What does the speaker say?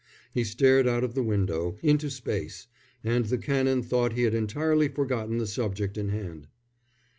He stared out of the window, into space, and the Canon thought he had entirely forgotten the subject in hand.